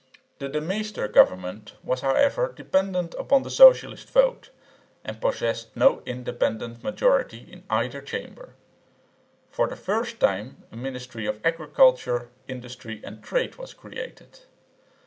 The De Meester government was however dependent upon the socialist vote, and possessed no independent majority in either Chamber. For the first time a ministry of agriculture, industry and trade was created.